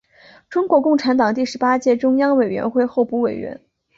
中国共产党第十八届中央委员会候补委员。